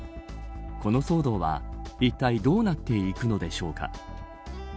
この騒動はいったいどうなっていくのでしょうか。